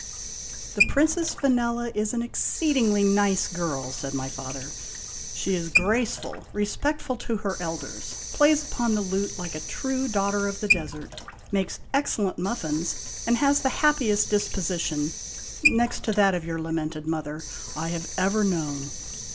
" The Princess Vanella is an exceedingly nice girl," said my father. " She is graceful, respectful to her elders, plays upon the lute like a true daughter of the desert, makes excellent muffins, and has the happiest disposition (next to that of your lamented mother) I have ever known.